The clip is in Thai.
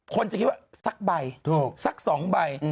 คนจะคิดว่าสักใบสัก๒ใบ